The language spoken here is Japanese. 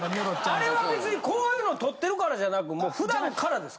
あれは別にこういうの撮ってるからじゃなくもう普段からですか？